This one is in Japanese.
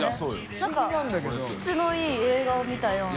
燭質のいい映画を見たような。